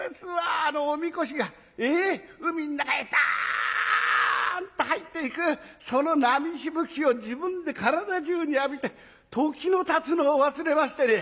あのおみこしが海の中へダッと入っていくその波しぶきを自分で体中に浴びて時のたつのを忘れましてね。